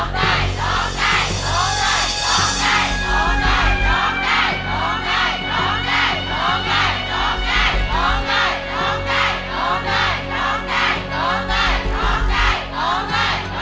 ร้องได้ร้องได้ร้องได้